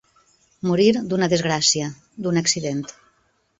Morir d'una desgràcia, d'un accident.